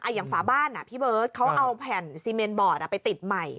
อย่างฝาบ้านพี่เบิร์ตเขาเอาแผ่นซีเมนบอร์ดไปติดใหม่